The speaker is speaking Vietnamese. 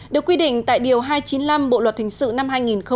được quy định tại điều hai trăm chín mươi năm bộ luật hình sự năm hai nghìn một mươi năm